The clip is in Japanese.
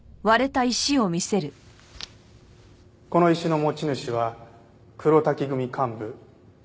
この石の持ち主は黒瀧組幹部金子仁